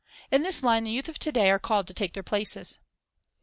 In this line the youth of to day are called to take their places.